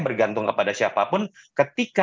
bergantung kepada siapapun ketika